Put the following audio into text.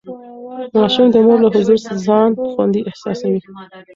ماشوم د مور له حضور ځان خوندي احساسوي.